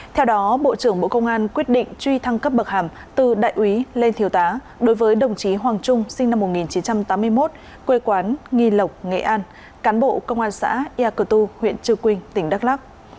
theo đó bộ trưởng bộ công an quyết định truy thăng cấp bậc hàm từ đại úy lên thiếu tá đối với đồng chí hoàng trung sinh năm một nghìn chín trăm tám mươi một quê quán nghi lộc nghệ an cán bộ công an xã ia cơ tu huyện trư quynh tỉnh đắk lắc